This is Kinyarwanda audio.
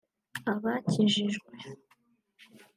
abakijijwe